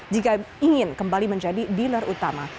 jika ingin kembali menjadi dealer utama